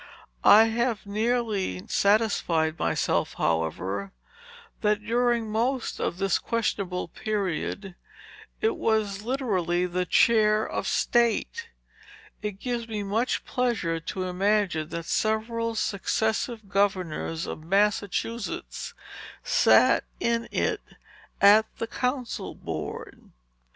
I have nearly satisfied myself, however, that, during most of this questionable period, it was literally the Chair of State. It gives me much pleasure to imagine, that several successive governors of Massachusetts sat in it at the council board."